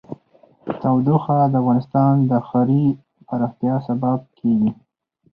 تودوخه د افغانستان د ښاري پراختیا سبب کېږي.